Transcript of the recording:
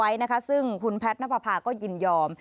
ไว้นะคะซึ่งคุณแพทย์นับประพาก็ยินยอม